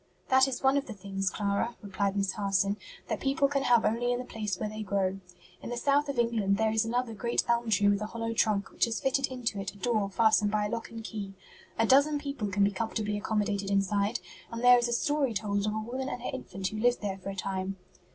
"That is one of the things, Clara," replied Miss Harson, "that people can have only in the place where they grow. In the South of England there is another great elm tree with a hollow trunk which has fitted into it a door fastened by a lock and key. A dozen people can be comfortably accommodated inside, and there is a story told of a woman and her infant who lived there for a time."